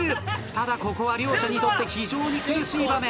ただここは両者にとって非常に苦しい場面。